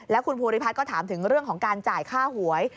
แล้วคุณภูริพัฒน์ก็ถามถึงเรื่องของการจ่ายค่าหวย